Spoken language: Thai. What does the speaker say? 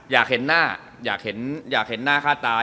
อยากเห็นหน้าค่าตา